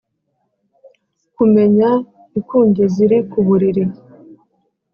ukamenya ikunge ziri ku buriri !